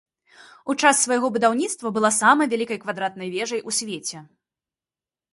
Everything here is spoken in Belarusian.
У час свайго будаўніцтва была самай вялікай квадратнай вежай у свеце.